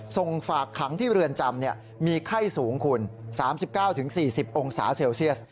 ส่งฝากขังที่เรือนจำมีไข้สูงคุณ๓๙๔๐องศาเซลเซียส